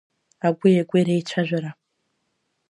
Агәи агәи реицәажәара…